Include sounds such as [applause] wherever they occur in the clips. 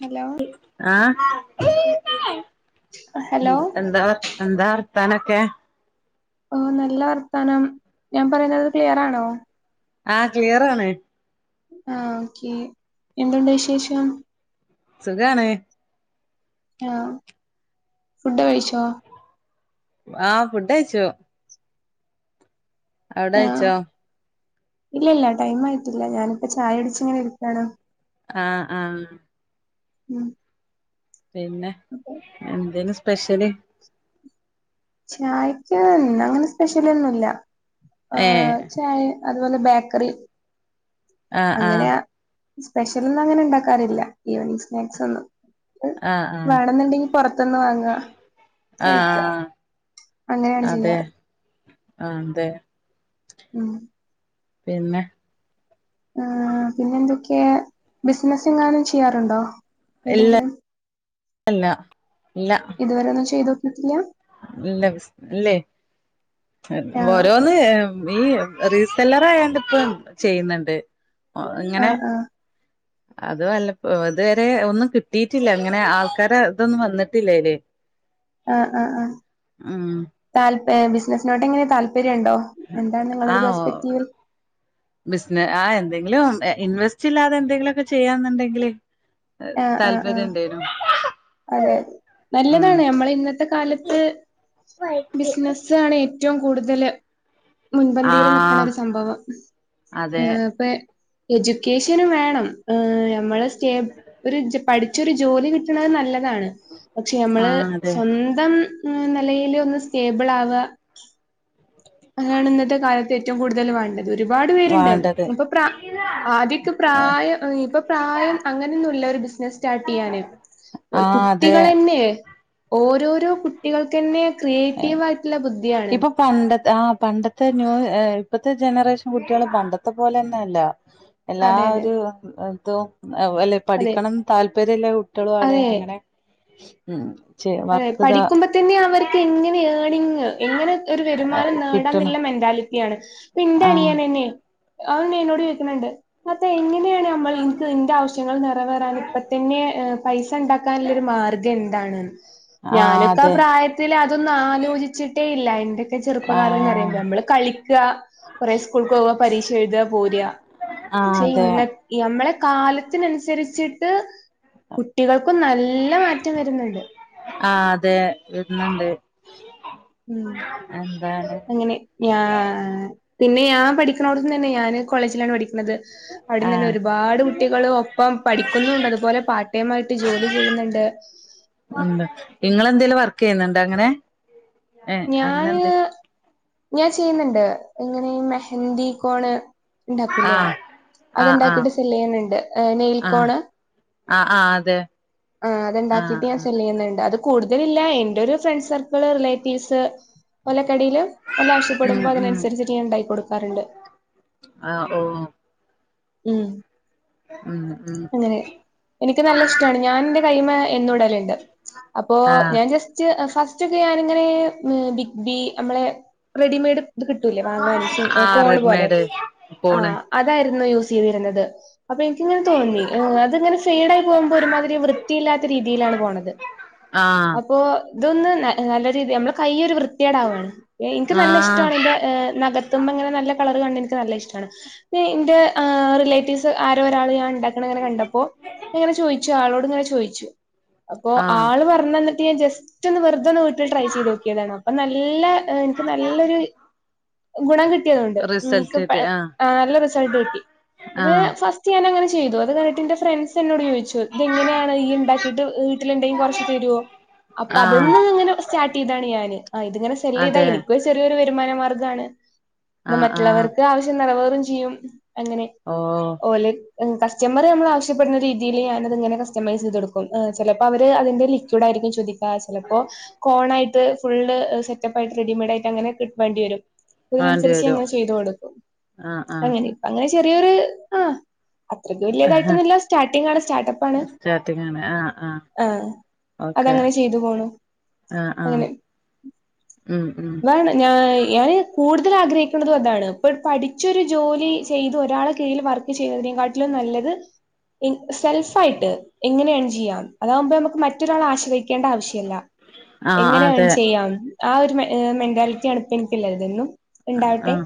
Hello ആഹ hello എന്താ എന്താ താനൊക്കെ ഓ നല്ല വർത്താനം ഞാൻ പറയുന്നത്ത് ക്ലിയർആണോ ആഹ ക്ലിയറ ആണ് ആഹ് ഓക്കേ എന്തുണ്ട് വിശേഷം സുഖാണ് ആഹ് ഫുഡ് കഴിച്ചോ ആഹ ഫുഡ് കഴിച്ചു അവിടെ ആഹ കഴിച്ചോ ഇല്ല ഇല്ല ടൈം ആയിട്ടില്ല ഞാനിപ്പ ചായ കുടിച്ച് ഇങ്ങനെ ഇരിക്കയാണ് ആഹ് ആഹ് ഉം പിന്നെ അ എന്തേന്ന് സ്പെഷ്യല്? ചായക്ക് ഇന്നങ്ങനെ സ്പെഷ്യലൊ ന്നുല്ല. ഏഹ് ആഹ് ചായ അതുപോലെ ബേക്കറി. ആഹ് ആഹ് അങ്ങനേ സ്പെഷ്യലൊന്നും അങ്ങനെ ണ്ടാക്കാറില്ല. Evening snack സൊന്നും. ആഹ് ആഹ് വേണെന്ന്ണ്ടെങ്കി പൊറത്ത്ന്ന് വാങ്ങാ കഴിക്കാ. ആഹ് അതെ. അതെന്തെ? ഉം പിന്നെ ആഹ്. പിന്നെ ന്തൊക്കെയാ. ബിസ്നസങ്ങാനും ചെയ്യാറുണ്ടൊ? ഇല്ല ഏതെങ്കിലും. ഇല്ല ഇല്ല ഇതുവരെ ഒന്നും ചെയ്തോക്കിട്ടില്ലാ. ഇല്ല ഇല്ലെയ് ആഹ് ഓരോന്ന് ഏഹ് ഈ റീസെല്ലറായാണ്ട് പ്പം ചെയ്യ്ന്ന് ണ്ട്. ങ്ങനെ ആഹ് ആഹ് അത് വല്ലപ്പൊ ത്‌വരെ ഒന്നും കിട്ടിയിട്ടില്ല. ങ്ങനെ ആൾക്കാരെ തൊന്നും വന്നിട്ടില്ലേല്. ആഹ് ആഹ് ആഹ് ഉം താൽപെ ബിസ്നസ്നോടെങ്ങനെ താല്പര്യം ണ്ടൊ. എന്താണ് ങ്ങളൊരു പോസ്പെക്ടീവിൽ? ബിസ്നെ ആഹ് എന്തെങ്കിലും ഏഹ് ഇൻവെസ്റ്റ് ഇല്ലാതെ എന്തെങ്കിലൊക്കെ ചെയ്യാന്നുണ്ടെങ്കില് ഏഹ്. ആഹ് ആഹ് ആഹ് താല്പര്യണ്ടേനു. അതെ. നല്ലതാണ് അമ്മളെ ഇന്നത്തെ കാലത്ത് ബിസ്‌നസ് സാണ് ഏറ്റവും കൂട്തല് ആ മുൻപന്തീല് നിക്ക്ണ ഒരു സംഭവം. അതെ ഏഹ് പ്പെ എജുക്കേഷനും വേണം. ഏഹ് അമ്മളെ സ്റ്റേബ് ഒര് ജെ പഠിച്ചൊര് ജോലി കിട്ട്ണെ നല്ല താണ്. പക്ഷെ ആ അമ്മള് അതെ സ്വന്തം നെലേല് ഒന്ന് സ്റ്റേബ്ളാവാ. അങ്ങനാണ് ഇന്നത്തെ കാലത്ത് ഏറ്റവും കൂടുതല് വേണ്ടത്. ഒരുപാട് പേര്ണ്ട് വേണ്ടത് പ്പം പ്രാ ആദ്യക്കെ പ്രായ ഏഹ് പ്പൊ പ്രായം അങ്ങനൊന്നുല്ല ഒരു ബിസ്നസ് സ്റ്റാർട്ടെയ്യാന്. ആ ഏഹ് അതെ കുട്ടികളെന്നേയ് ഓരോരോ കുട്ടികൾക്ക്ന്നെ ക്രിയേറ്റീവായിട്ട്ള്ള ബുദ്ധിയാണ്. ഇപ്പൊ പണ്ടത്തെ ആഹ് പണ്ടത്തെ ന്യൂ ഏഹ് ഇപ്പത്തെ ജനറേഷൻ കുട്ട്യെളെ പണ്ടത്തെ പോലെന്നെല്ലാ. എല്ലാ അതെ അതെ ഒര് തും അ വ് അല്ലെ അതെ പഠിക്കണം താല്പര്യം ള്ളെ കുട്ട്യെളും ആണ്. അതെ അങ്ങനെ ഉം. ഉം. ചെ അതെ. വർക്ക് ഇതാ പഠിക്കുമ്പ തന്നെ അവര്ക്ക് എങ്ങനെ ഏണിംങ്. എങ്ങനെ ഒരു വരുമാനം നേടാം കിട്ടണം ന്ന്ള്ളെ മെന്റാലിറ്റിയാണ്. ഇൻ്റെ ആഹ് അനിയനെന്നെ അവൻ ദെ എന്നോട് ചോയ്ക്കുന്നുണ്ട് അപ്പൊ എങ്ങനെയാണ് അമ്മള് ഇൻക്ക് ഇന്റെ ആവശ്യങ്ങൾ നിറവേറാന് പ്പ തന്നെ പൈസ ണ്ടാക്കാൻള്ളൊരു മാർഗ്ഗ എന്താണ് ആഹ് ഞാനൊക്കെ ആ അതെ പ്രായത്തില് അതൊന്നും ആലോചിച്ചിട്ടേ ഇല്ല. എൻ്റൊക്കെ ആഹ് ചെറുപ്പകാലംന്നറിയുമ്പം അമ്മള് കളി ക്കാ, കൊറേ സ്കൂൾക്കോവ, പരീക്ഷ എഴ്താ, പോരാ. ആഹ് അതെ. യമ്മളെ കാലത്തിനൻസരിച്ചിട്ട് കുട്ടികൾക്കും നല്ല മാറ്റം വരുന്നുണ്ട്. ആഹ് അതെ വെര്ന്നുണ്ട്. ഉം അങ്ങനെ ഞാ പിന്നെ ഞാൻ പഠിക്ക ണടൊന്നു തന്നെയാ ഞാന് കോളേജിലാണ് പഠിക്കണത്. അവിടന്നു തന്നെ ആഹ് ഒരുപാട് കുട്ടികള് ഒപ്പം പഠിക്കുന്നൊണ്ട് അതുപോലെ പാർട്ട് ടൈം ആയിട്ട് ജോലി ചെയ്യുന്നൊണ്ട്. ഉം ഇങ്ങളെന്തേലും വർക്കെയ്യുന്നുണ്ടോ അങ്ങനെ. ഏഹ് അങ്ങനെ ഞാന് എന്ത് ഞാൻ ചെയ്യുന്നൊണ്ട് ഇങ്ങനെ മെഹന്തി കോണ്. ഉണ്ടാക്കൂല്ലേ ആഹ് ആഹ് ആഹ് അതൊണ്ടാക്കീട്ട് സെല്ല് ചെയ്യണൊണ്ട് എ നെയിൽകോണ്. ആ ആ അതെ ആ ആഹ് അതൊണ്ടാക്കീട്ട് ഞാൻ ആഹ് സെല്ല് ചെയ്യുന്നൊണ്ട് അത് കൂടുതലില്ല എന്റെയൊരു ഫ്രണ്ട്സർക്കിള്, റിലേറ്റീവ്സ് ഓലക്കെടയില്. ഓല് ഉം ആശ്യപ്പെടുമ്പോ ഉം അതിനനുസരിച്ച് ഞാൻ ഉണ്ടായി കൊടുക്കാറുണ്ട്. ആ ഓ ഉം. ഉം ഉം. അങ്ങനെ എനിക്കു നല്ല ഇഷ്ടാണ് ഞാൻ എന്റെ കൈയ്യുമ്മേ എന്നും ഇടലൊണ്ട് അപ്പോ ആഹ് ഞാൻ ജെസ്സ് റ്റ് ഫസ്റ്റൊക്കെ ഞാനിങ്ങനെ ബിഗ് ബി നമ്മളെ റെഡിമെയ്ഡ് ഇത് കിട്ടൂലേ വാങ്ങാൻ സിം ആഹ് കോളുപോലെ റെഡ്മെയ്ഡ് ആ പോണ് അതായിരുന്നു യൂസ് ചെയ്തിരുന്നത് അപ്പൊ എനിക്കിങ്ങനെ. തോന്നി അതിങ്ങനെ ഫെയ്ഡായി പോകുമ്പോ ഒരുമാതിരി വൃത്തിയില്ലാത്ത രീതിയിലാണ് പോണത്. ആഹ് അപ്പൊ. ഇതൊന്ന് ന നല്ലരീതി നമ്മുടെ കൈയൊരു വൃത്തിയേടാവുവാണ് എനിക്ക് നല്ല ആഹ് ഇഷ്ടവാണ് എൻറെ നഖ ത്തുമ്മെ ഇങ്ങനെ നല്ലകളർ കാണനെ എനിക്ക് നല്ല ഇഷ്ടാണ് എന്റെ ആ റിലേറ്റീവ്സ് ആരോ ഒരാൾ ഞാൻ ഉണ്ടാക്കണിങ്ങനെ കണ്ടപ്പോ ഇങ്ങനെ ചോയിച്ചു ആളോട് ഇങ്ങനെ ചോയിച്ചു അപ്പോ ആഹ് ആള് പറഞ്ഞന്ന് ജസ്റ്റൊന്ന് വെറുതെയൊന്ന് വീട്ടില് ട്രൈ ചെയ്തുനോക്കിയതാണ് അപ്പം നല്ല എനിക്ക് നല്ലൊരു ഗുണം കിട്ടിയതുകൊണ്ട് ഉം ക്ക് പ റിസൾട്ടിട്ട് ആഹ് ആ നല്ല റിസൾട്ടുകിട്ടി അപ്പേ ആഹ് ഫസ്റ്റ് ഞാനങ്ങനെ ചെയ്തു അതുകണ്ടിട്ട് എന്റെ ഫ്രണ്ട്സ് എന്നോടുചോദിച്ചു ഇതെങ്ങനെയാണ് ഈ ഉണ്ടാക്കിട്ട് ഇതിലെന്തെങ്കി കൊറച്ച് തെരുവൊ അപ്പ ആഹ് അതിന്നിങ്ങനെ സ്റ്റാർട്ട് ചെയ്തതാണ് ഞാന് ഇതിങ്ങനെ വലൃ ഇതാ അതെ എനിക്കൊരു ചെറിയൊരു വരുമാന മാർഗാണ് എന്നാ ആഹ് ആഹ് മറ്റുള്ളവർക്ക് ആവശ്യം നിറവേറും ചെയ്യും. അങ്ങനെ ഓ ഓല് കസ്റ്റമറ് നമ്മള് ആവശ്യപ്പെടുന്ന രീതിയില് ഞാനതങ്ങനെ കസ്റ്റമൈസ് ചെയ്തൊടുക്കും ആ ചെലപ്പോ അവര് അതിന്റെ ലിക്വിഡായിരിക്കും ചോദി ആ ചെലപ്പോ കോണായിട്ട് ഫുള്ള് സെറ്റപ്പായിട്ട് റെഡിമെയ്ഡായിട്ട് അങ്ങനെ കിട്ട് വേണ്ടിവരും. വേണ്ടി അതിനനുസരിച്ച് വരും ഞാനങ്ങനെ ചെയ്തുകൊടുക്കും ആഹ് അങ്ങനെ അങ്ങനെ ചെറിയൊരു ആ അത്രയ്ക്ക് ആഹ് വലൃതായിട്ടൊന്നില്ല സ്റ്റാർട്ടിങ്ങാണ് സ്റ്റാർട്ടപ്പാണ് സ്റ്റാർട്ടിങ് ആണ് ആഹ് ആഹ് ആ അതങ്ങനെ ചെയ്തുപോണു. ആ ആ ഉം ഉം. ഇതാണ് ഞാൻ ഞാന്. കൂടുതല് ആഗ്രഹിക്കുന്നതും അതാണ് ഇപ്പൊ പഠിച്ചൊരു ജോലി ചെയ്ത് ഒരാളെ കീഴില് വർക്ക് ചെയ്യുന്നതിനെകാട്ടിലും നല്ലത് ഈ സെൽഫായിട്ട് എങ്ങനെ ഏൺചെയ്യാം അതാകുമ്പോ നമുക്ക് മറ്റൊരാളെ ആശ്രയിക്കേണ്ട ആവശ്യമില്ല. ആഹ് എങ്ങനെ അതെ ഏൺചെയ്യാം ആ ഒരു മെ ഏ മെന്റാലിറ്റിയാണിപ്പൊ എനിക്കുള്ളത് എന്നും ഉണ്ടാവട്ടെ ആഹ്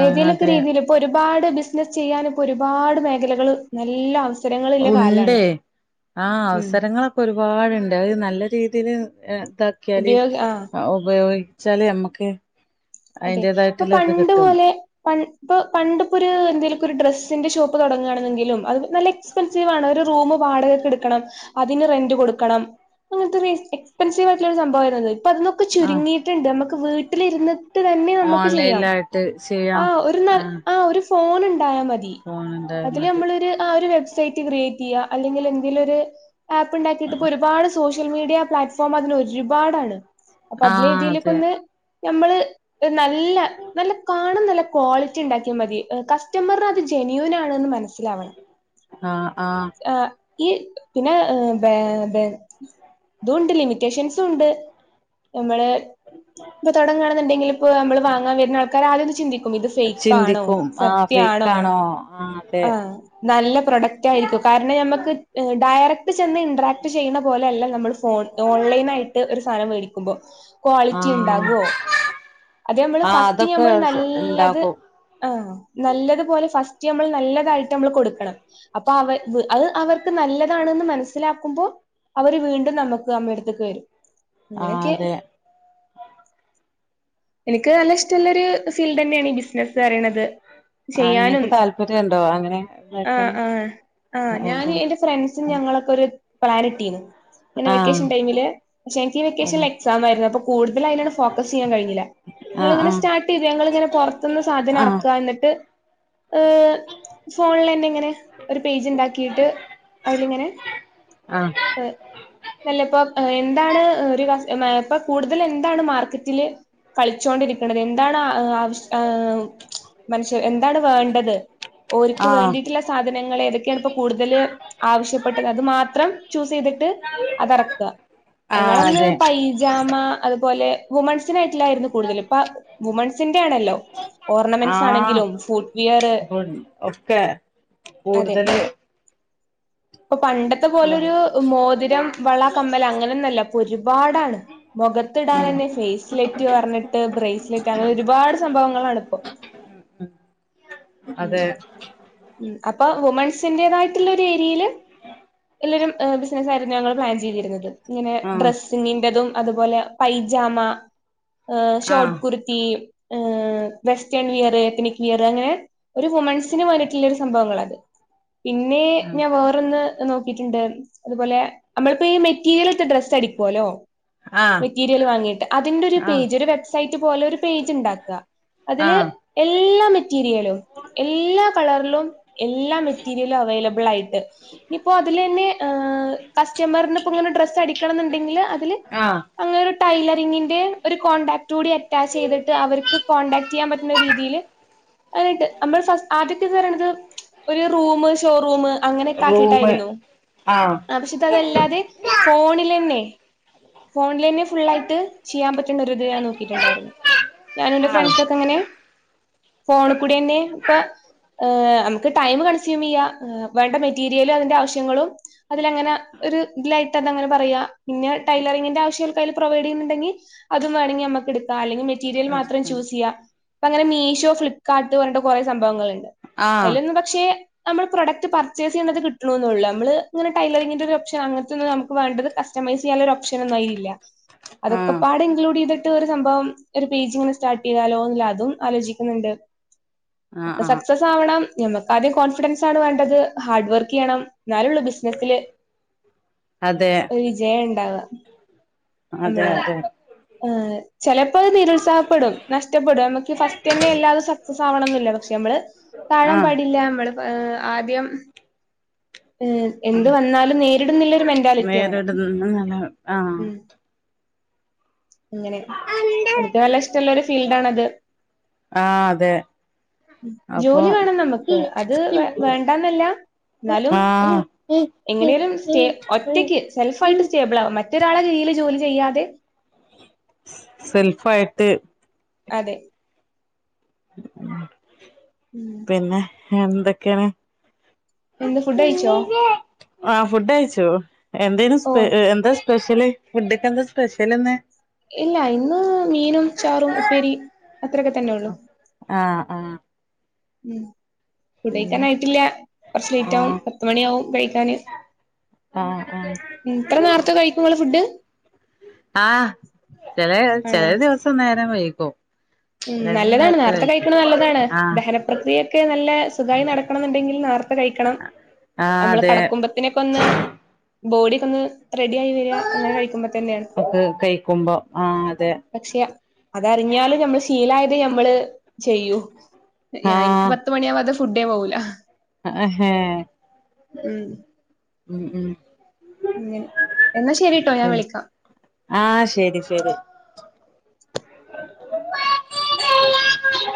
ആഹ് ഏതേലൊക്കെ അതെ രീതിയില് ഇപ്പോ ഒരുപാട് ബിസിനസ്സ് ചെയ്യാനിപ്പോ ഒരുപാട് മേഖലകള് നല്ല അവസ ഉണ്ടേ ആ ഉം അവസരങ്ങള ഇപ്പ ഒരുപാടൊണ്ട് അത് നല്ല രീതിയില് എ ഇതാക്കിയാല് ഉപയോഗ ആഹ് അ ഉപയോഗി ച്ചാല് ഞമ്മക്ക് അതെ ഇപ്പൊ പണ്ട് മുതലേ പൺ ഇപ്പൊ പണ്ട് ഇപ്പൊരു എന്തേലൊക്കൊ ഓരു ഡ്രസ്സിന്റെ ഷോപ്പ് തൊടങ്ങാണ്ന്നെങ്കിലും അത് നല്ല എക്സ് സ്പെൻസീവ് ആണ്. ഒരു റൂമ് വാടകക്ക് ഇട്ക്കണം അതിന് റെന്റ് കൊടുക്കണം അങ്ങൻത്തെര് എക്സ്പെൻസീവ് ആയിട്ട്ള്ള ഒരു സംഭവായിര്ന്നത്. ഇപ്പൊ അതിന്നൊക്കെ ആഹ് ചുര്ങ്ങിയിട്ട്ണ്ട് നമ്മക്ക് വീട്ട്ലിര്ന്ന് ട്ട് തന്നെ നമ്മക്ക് ചെയ്യാം. ഓൺലൈനിലായിട്ട് ചെയ്യാം ആഹ് ഒരു നൽ ആഹ് ഒരു ഫോണ് ഇണ്ടായാ മതി ഫോണുണ്ടായ അതില് മതി നമ്മളൊര് ആഹ് ഒര് വെബ്സൈറ്റ് ക്രിയേറ്റ്യ്യാ. അല്ലങ്കിൽ എന്തേലൊര് ആപ്പ് ഇണ്ടാക്കീട്ട് ഇപ്പ ഒരുപാട് സോഷ്യ ഷ്യൽ മീഡിയ പ്ലാറ്റ്ഫോം അതിന് ഒരുപാടാണ്. അപ്പ ആഹ് അതിലേതേയ്ലൊക്കൊ അതെ ഒന്ന് ഞമ്മള് ഒര് നല്ല നല്ല കാണൻ നല്ല ക്വാളിറ്റി ഇണ്ടാക്കിയാമതി. കസ്റ്റമറിന് അത് ജനുവിൻ ആണെന്ന് മന സ്സിലാവണം ആഹ് ഈ പിന്നെ എഹ് ബേ ബെൻ തു ഇണ്ട് ലിമിറ്റേഷൻസും ഉണ്ട്. നമ്മള് ഇപ്പ തുടങ്ങാണ്ന്ന്ണ്ടെങ്കില് ഇപ്പോ അമ്മള് വാങ്ങാൻ വെര്ന ആൾക്കാര് ആദ്യം ഒന്ന് ചിന്തിക്കും ഇത് ഫെയ്ക്കാണോ ചിന്തിക്കും ആഹ് സത്യാണോ ഫേക്കാണോ ആഹ് അതെ ആഹ് നല്ല പ്രൊഡക്റ്റ് ആയിരിക്കോ. കാരണം ഞമ്മക്ക് ഡയറക്ട് ചെന്ന് ഇൺട്രാക്ട് ചെയ്യ്ണ പോലെ അല്ല നമ്മള് ഫോൺ ഓൺലൈൻ ആയിട്ട് ഒരു സാനം മവേടിക്കുമ്പോ ക്വാളിറ്റി ആഹ് ഇണ്ടാവോ അത് ഞമ്മള് ആഹ് ഫസ്റ്റ് അതൊക്കെ ഞമ്മള് നല്ലത് ഇണ്ടാക്കും ആഹ് നല്ലത്പോലെ ഫസ്റ്റ് ഞമ്മള് നല്ലതായിട്ട് നമ്മള് കൊടുക്കണം. അപ്പൊ അവർ വ് അത് അവർ ക്ക്‌ നല്ലതാണ്ന്ന് മനസ്സിലാക്കുമ്പോ അവര് വീണ്ടും നമക്ക് നമ്മളെട്ത്ത്ക്ക്‌ വെരും. ഇങ്ങനെ ആഹ് ഒക്കെ അതെ ഇന്ക്ക് നല്ല ഇഷ്ടള്ള ഒരു ഫീൽഡ് തന്നേണ് ഈ ബിസിനസ്സ് പറീണത്. ആഹ് ചെയ്യാനും ഇങ്ങക്ക് താല്പര്യണ്ടോ അങ്ങനെ ആഹ് ഇതാക്കാന് ആഹ് ആഹ് ഞാന് എന്റെ ഫ്രണ്ട്സ് സും ഞങ്ങളൊക്കെ ഒരു പ്ലാൻ ഇട്ടീനു ഇങ്ങനെ ആഹ് ആഹ് വെക്കേഷൻ ടൈമില് പക്ഷെ എനിക്ക് ഈ ആഹ് അതെ വെക്കേഷൻല് എക്സ് സാമായിര്ന്നു അപ്പോ കൂട്തല് അയ്ലാണ് ഫോക്കസ് ചെയ്യാൻ കഴിഞ്ഞില്ല. ങ്ങളിങ്ങനെ ആഹ് സ്റ്റാർട്ട് ചെയ്ത് ഞങ്ങളിങ്ങനെ പൊറത്ത്ന്ന് സാധനം ആഹ് ആഹ് ആഹ് എറക്കാ എന്നിട്ട് ഇഹ് ഫോൺലെന്നെ ഇങ്ങനെ ഒരു പേജ് ഇണ്ടാക്കിയിട്ട് അതിലിങ്ങനെ ആഹ് അല്ല ഇപ്പൊ എന്താണ് ഒര് കസ്റ്റമേ ഇപ്പ കൂട്തല് എന്താണ് മാർക്കറ്റില് കളിച്ചോണ്ടിരിക്ക്‌ണത് എന്താണ് ഏഹ് ആവിഷ് ഏഹ് മനസ്സ് എന്താണ് വേണ്ടത് ഓര്ക്ക് ആഹ് വേണ്ടിട്ടിള്ള സാ സാധനങ്ങൾ ഏതെക്കെയാണ് ഇപ്പോ കൂട്തല് ആവശ്യപ്പെട്ടത് അത് മാത്രം ചൂസ്സെയ്ത് ട്ട് അത് എറയ്ക്ക ഞങ്ങളന്ന് അതെ പൈ ജാമ അതുപോലെ വുമൺസിനായിട്ട്ലായിരുന്നു കൂടുതലും. ഇപ്പ വുമൺസിന്റെ ഏണല്ലോ ഓർണമെന്റ്സ് ആഹ് ആണെങ്കിലും ഫുട്ട് വിയറ് അപ്പൊ ഒക്കെ അതെ കൂടുതല് ഇപ്പൊ പണ്ടത്തെ ഇതാണ് പോലെരു മോതിരം, വള, കമ്മല്‌ അങ്ങനെ ഒന്നഅല്ല ഇപ്പൊ ഒരുപാടാണ് ഉം മൊഖത്ത്ടാനെന്നെ ഫേയ്സ്ലെറ്റ് പർഞ്ഞ്ട്ട് ബ്രേയ്സ്ലെറ്റ് അങ്ങനെ ഒരുപാട് സംഭവങ്ങളാണ് ഇപ്പൊ. ഉം ഉം അതെ ഉം അപ്പൊ വുമൺസിന്റേതായിട്ട്ള്ള ഒരു ഏരിയയില് എല്ലാരും ബിസിനസ്സായിയിരുന്നു ഞങ്ങള് പ്ലാൻ ചെയ്തിരുന്നത്. ഇങ്ങനെ ആഹ് ഡ്രസ്സ് സിങ്ങിന്റെതും അത്പോലെ പൈജാമാ, എഹ് ആഹ് ഷോർട്ട് കുർ ത്തി വെസ്റ്റേൺ വിയറ് എത്ത്നിക് വിയറ് അങ്ങനെ ഒരു വുമൺസിന് വേണ്ടിട്ട്ല്ലൊരു സംഭവങ്ങള അത് പിന്നെ ആഹ് ഞാൻ വേറെ റൊന്ന് നോക്കിട്ട്ണ്ട് അതുപോലെ അമ്മളിപ്പോ ഈ മെറ്റീരിയലേറ്റ് ഡ്രസ്സ് അടിക്കോല്ലോ ആഹ് മെറ്റീരിയല് വാങ്ങിയിട്ട് അതിന്റെ ഒരു ആഹ് പേജ് ഒരു വെബ്സൈറ്റ് പോലെ ഒര് പേജ് ഇണ്ടാക്കാ അതില് ആഹ് എല്ലാ മെറ്റീരിയലും എല്ലാ കളറിലും എല്ലാ മെറ്റീരിയലും അവൈലബിൾ ആയിട്ട് ഇനിയിപ്പോ അതില് തന്നെ കസ്റ്റമറിന് ഇപ്പ ഇങ്ങനെ ഡ്രസ്സ് അടിക്കണം എന്നുണ്ടെങ്കില് അതില് ആഹ് അങ്ങനെ ഒരു ടൈലറിങ്ങിന്റെ ഒരു കോൺടാക്ട് കൂടി അറ്റാച്ച് ചെയ്തിട്ട് അവർക്ക് കോണ്ടടാക്ട് ചെയ്യാൻ പറ്റുന്ന രീതിയിയില് അട്ട് നമ്മൾ ഫസ് ആദ്യക്കെന്ന് പറയണത് ഒരു റൂം ഷോറൂം അങ്ങനെ റൂമ് ആക്കിയിട്ടായിരുന്നു ആഹ് ആവശ്യകാർ അതല്ലാതെ ഫോണിൽ തന്നെ ഫോണിൽ തന്നെ ഫുൾ ആയിട്ട് ചെയ്യാൻ പറ്റുന്ന ഒരു ഇത് ഞാൻ നോക്കിയിട്ടുണ്ടായിരുന്നു ഞാന് എന്റെ ആഹ് ഫ്രണ്ട്സ ഒക്കെ ഇങ്ങനെ ഫോണിൽ കൂടി തന്നെ ഇപ്പൊ നമുക്ക് ടൈം കൺസ്യൂം ചെയ്യാം വേണ്ട മെറ്റീരിയലും അതിന്റെ ആവശ്യങ്ങളും അതിലങ്ങനെ ഒരു ഇതിലായിട്ട്ന്ന് അങ്ങനെ പറയാ പിന്നെ ടൈലറിങ്ങിന്റെ ആവശ്യങ്ങൾക്ക അതിൽ പ്രൊവൈഡ് ചെയ്യുന്നുണ്ടെങ്കിൽ അതും വേണമെങ്കി നമുക്ക് എടുക്കാം അല്ലെങ്ക മെറ്റീരിയൽ മാത്രം എടുക്കാം ചൂസ് ചെയ്യാം. ഇപ്പ അങ്ങനെ മീഷോ ഫ്ലിപ്പ്കാർട്ട് പറഞ്ഞ്ട്ട് കുറെ സംഭവങ്ങളുണ്ട് ആഹ് അതിലൊന്ന് പക്ഷെ നമ്മൾ പ്രൊഡക്റ്റ് പർ പർച്ചേസ് ചെയേത് കിട്ട്നൊന്നും ഇല്ല നമ്മൾ ഇങ്ങന ടെയിലറിങ്ങിൻ്റെ ഒരു ഒപ്ഷ അങ്ങനത്തെ ഒരു ഒന്ന് നമുക്ക് വേണ്ടത് കസ്റ്റമൈസ് ചെയ്യാൻ ഒരു ഓപ്ഷൻ ഓപ്ഷൻ ഒന്നും അതിൽ ഇല്ല അതൊക്കെ ആഹ് പാട് ഇൻക്ലൂഡ് ചെയ്തിട്ട് ഒരു സംഭവം ഒരു പേജ് ഇങ്ങനെ സ്റ്റാർട്ട് ചെയ്താലോന്ന അതും ആലോചിക്കുന്നുണ്ട് ആഹ് അപ്പൊ ആഹ് സക്സസ് ആവണം ഞമ്മക്ക് ആദ്യം കോൺഫിഡൻസ് ആണ് വേണ്ടത് ഹാർഡ് വർക്ക് ചെയ്യണം എന്നാലേള്ളൂ ബിസിനെസ്സില് അതെ ഒരു വിജയം ഉണ്ടാവാ അതെ നമ്മളെ അതെ ചിലപ്പോ അത് നിരുത്സാഹപ്പെടും നഷ്ടപ്പെടും നമക്ക് ഫസ്റ്റ് തന്നെ എല്ലാരും സപ്പോർട്ട് സക്സസ് ആവണൊന്നുമില്ല പക്ഷെ നമ്മൾ താഴാന് ആഹ് പാടില്ല നമ്മൾ ആദ്യം എന്ത് വന്നാലും നേരിടും ന്നുളള മന് വേറിടുന്ന നല്ല ആഹ് ഇങ്ങനെ എനിക്ക് നല്ല ഇഷ്ടമുള്ള ഒരു ഫീൽഡ് ആണത് ആഹ് അതെ അപ്പൊ ജോലി വേണം നമുക്ക് അത് വ വേണ്ടന്നല്ല എന്നാലും ആഹ് എങ്ങനെയലും സ്റ്റേ ഒറ്റക്ക് സെൽഫ ആയിട്ട് സ്റ്റേബിൾ ആവാൻ പറ്റ് മറ്റൊരാളെ കീഴിൽ ജോലി ചെയ്യാതെ സെൽഫ് ആയിട്ട് അതെ ഉം ഉം പിന്നെ എന്തൊക്കെയാണ് എന്ത് ഫുഡ് കഴിച്ചോ? ആഹ് ഫുഡ് കഴിച്ചു എന്തേ ഓ എന്താ സ്പെഷ്യല് ഫുഡ് ക്ക് എന്താ സ്പെഷ്യൽ ഇന്ന് ഇല്ല ഇന്ന് മീനും ചാറും ഉപ്പേരി അത്രയൊക്കെ തന്നെ ഉള്ളു ആഹ് ആഹ് ഉം ഫുഡഴിക്കാന് പിന്നെ ആയിട്ടില്ല കുറച്ച് ലേറ്റ് ആവും ആഹ് പത്ത് മണിയാവും കഴിക്കാന് ആഹ് ആഹ് ഇത്ര നേരത്തെ കഴിക്കും നിങ്ങൾ ഫുഡ് ആഹ് ചില ചില ആണോ? ദിവസം നേരം വൈകും ഉം ചിലത് നല്ലതാണ് നേരത്തെ നേർത്തെ കഴിക്കും കഴിക്കണ നല്ലതാണ് ആഹ് ദഹനപ്രക്രിയൊക്കെ നല്ല സുഖമായി നടക്കണം എന്നുണ്ടെങ്കിൽ നേർത്തെ ത്തെ കഴിക്കണം ആഹ് നമ്മൾ അതെ കിടക്കുമ്പത്തി നൊക്കെ ഒന്ന് ബോഡിയൊക്കെ ഒന്ന് റെഡി ആയി വരിക അങ്ങനെ കഴിക്കുമ്പത്തന്നെയാണ് ഒക്കെ കഴിക്കുമ്പോ ആഹ് അതെ പക്ഷെ അതറിഞ്ഞാല് നമ്മൾ ശീലായത് നമ്മൾ ചെയ്യൂ എനിക്ക് ആഹ് പതു മണിയാവാതെ ഫുഡേ പോകൂല്ല ആഹ ഉം ഉ ഉം ങേ എന്ന ശരിട്ടോ ഞാൻ വിളിക്കാം ആഹ ശരി ശരി [inaudible]